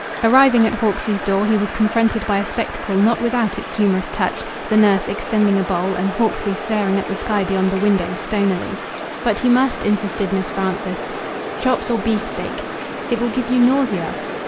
Arriving at Hawksley's door he was confronted by a spectacle not without its humorous touch: The nurse extending a bowl and Hawksley staring at the sky beyond the window, stonily. "But you must!" insisted Miss Frances. "Chops or beefsteak!" "It will give you nausea."